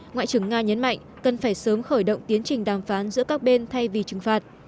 ngoại trưởng nga nhấn mạnh cần phải sớm khởi động tiến trình đàm phán giữa các bên thay vì trừng phạt